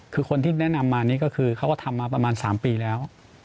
คือคนที่แนะนำมานี่ก็คือเขาก็ทำมาประมาณ๓ปีแล้ว